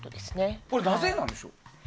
これはなぜなんでしょう。